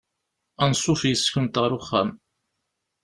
Ansuf yes-kent ar uxxam.